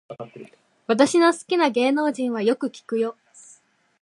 私の好きな芸能人はよく聞くよ